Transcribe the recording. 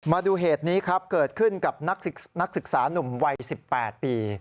มาดูเหตุนี้ครับเกิดขึ้นกับนักศึกษานุ่มวัย๑๘ปี